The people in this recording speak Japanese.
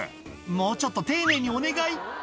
もうちょっと丁寧にお願い。